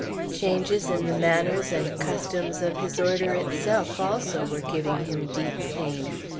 Changes in the manners and customs of his order itself, also, were giving him deep pain.